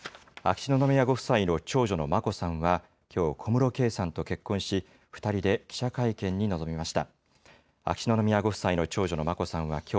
秋篠宮家の長女、眞子さんはきょう、小室圭さんと結婚し、２人で記者会見に臨みました。